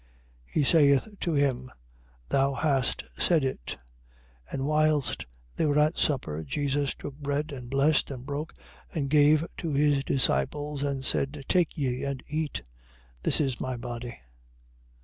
He saith to him: Thou hast said it. 26:26. And whilst they were at supper, Jesus took bread and blessed and broke and gave to his disciples and said: Take ye and eat. This is my body.